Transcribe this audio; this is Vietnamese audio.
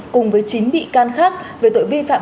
cùng với chín bị can khác về tội vi phạm